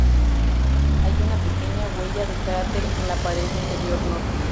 Hay una pequeña huella de cráter en la pared interior norte.